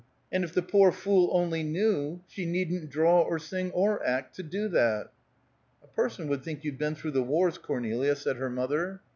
And if the poor fool only knew, she needn't draw or sing or act, to do that." "A person would think you'd been through the wars, Cornelia," said her mother.